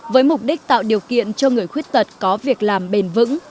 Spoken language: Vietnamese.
với mục đích tạo điều kiện cho người khuyết tật có việc làm bền vững